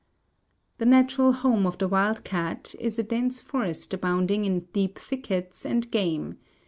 The natural home of the wild cat is a dense forest abounding in deep thickets and game.